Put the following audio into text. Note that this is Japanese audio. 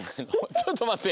ちょっとまって。